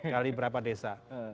kali berapa desa